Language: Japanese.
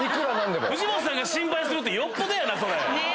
藤本さんが心配するってよっぽどやなそれ！